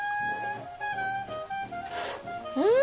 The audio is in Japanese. うん！